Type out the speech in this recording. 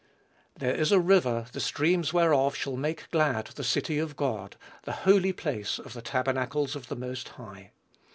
"There is a river, the streams whereof shall make glad the city of God, the holy place of the tabernacles of the Most High."